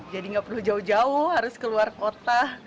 jadi nggak perlu jauh jauh harus keluar kota